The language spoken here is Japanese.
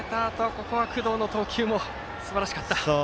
ここは工藤の投球もすばらしかった。